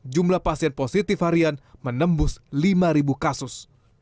jumlah pasien positif harian menembus lima kasus